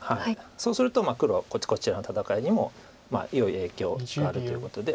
そうすると黒はこちらの戦いにもまあよい影響があるということで。